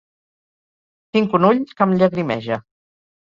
Tinc un ull que em llagrimeja.